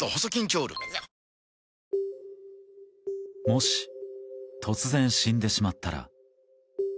もし突然、死んでしまったら。